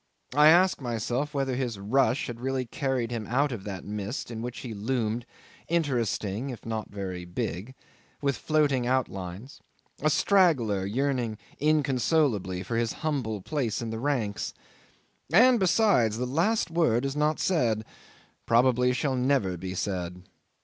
I ask myself whether his rush had really carried him out of that mist in which he loomed interesting if not very big, with floating outlines a straggler yearning inconsolably for his humble place in the ranks. And besides, the last word is not said, probably shall never be said.